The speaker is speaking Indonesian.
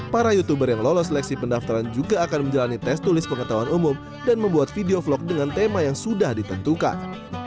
para youtuber yang lolos seleksi pendaftaran juga akan menjalani tes tulis pengetahuan umum dan membuat video vlog dengan tema yang sudah ditentukan